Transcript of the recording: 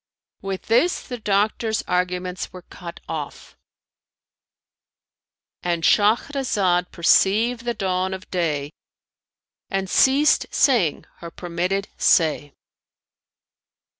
With this the doctor's arguments were cut off,—And Shahrazad perceived the dawn of day and ceased saying her permitted say.